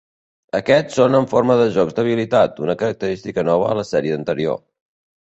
Aquests són en forma de jocs d'habilitat, una característica nova a la sèrie anterior.